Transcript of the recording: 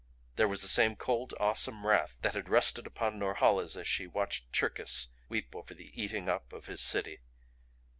There was the same cold, awesome wrath that had rested upon Norhala's as she watched Cherkis weep over the eating up of his city.